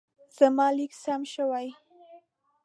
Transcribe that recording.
زما لیک سم شوی.